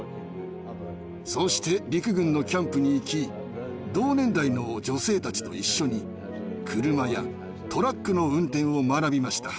そうして陸軍のキャンプに行き同年代の女性たちと一緒に車やトラックの運転を学びました。